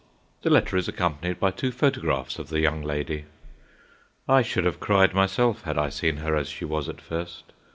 The letter is accompanied by two photographs of the young lady. I should have cried myself had I seen her as she was at first.